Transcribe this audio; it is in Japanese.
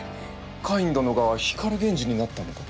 カイン殿が光源氏になったのか？